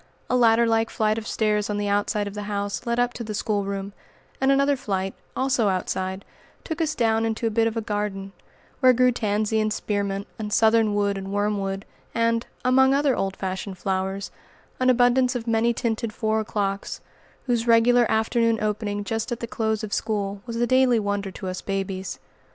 A ladder like flight of stairs on the outside of the house led up to the schoolroom, and another flight, also outside, took us down into a bit of a garden, where grew tansy and spearmint and southernwood and wormwood, and, among other old fashioned flowers, an abundance of many tinted four o'clocks, whose regular afternoon opening just at the close of school, was a daily wonder to us babies.